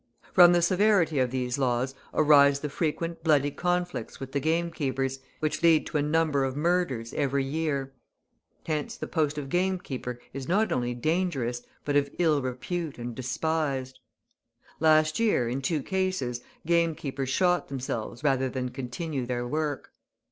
From the severity of these laws arise the frequent bloody conflicts with the gamekeepers, which lead to a number of murders every year Hence the post of gamekeeper is not only dangerous, but of ill repute and despised. Last year, in two cases, gamekeepers shot themselves rather than continue their work.